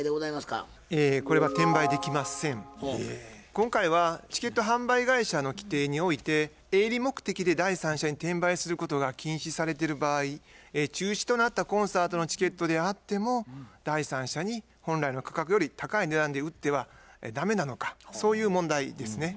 今回はチケット販売会社の規程において営利目的で第三者に転売することが禁止されてる場合中止となったコンサートのチケットであっても第三者に本来の価格より高い値段で売っては駄目なのかそういう問題ですね。